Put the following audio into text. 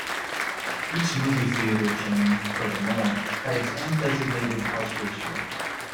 Each movie theater chain, furthermore, had its own designated house ratio.